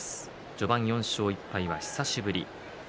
序盤、４勝１敗、久しぶり。